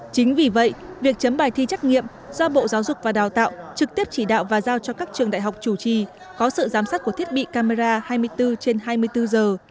chính vì vậy việc chấm bài thi trắc nghiệm do bộ giáo dục và đào tạo trực tiếp chỉ đạo và giao cho các trường đại học chủ trì có sự giám sát của thiết bị camera hai mươi bốn trên hai mươi bốn giờ